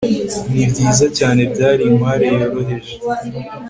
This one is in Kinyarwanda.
Nibyiza cyane byari inkware yoroheje